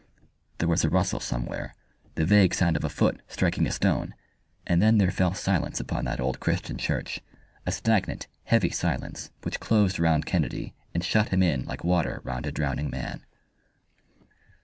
There was a rustle somewhere the vague sound of a foot striking a stone and then there fell silence upon that old Christian church a stagnant heavy silence which closed round Kennedy and shut him in like water round a drowning man.